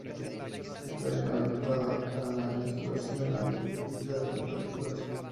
Está bien adaptada a la insolación alta típica de las alturas.